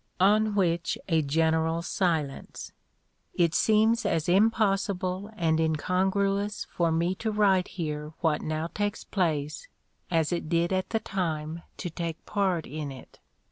On which a general silence. It seems as impossible and incongruous for me to write here what now takes place, as it did at the time to take part in it.